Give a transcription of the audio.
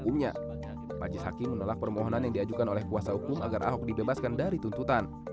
majelis hakim menolak permohonan yang diajukan oleh kuasa hukum agar ahok dibebaskan dari tuntutan